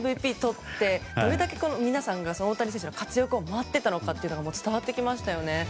ＭＶＰとって、どれだけ皆さんが大谷選手の活躍を待っていたのかというのが伝わってきましたよね。